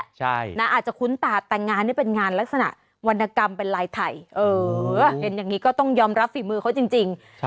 ใช่นะอาจจะคุ้นตาแต่งานนี่เป็นงานลักษณะวรรณกรรมเป็นลายไทยเออเห็นอย่างนี้ก็ต้องยอมรับฝีมือเขาจริง